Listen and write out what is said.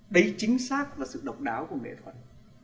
đây chính xác là sự độc đáo của nghệ thuật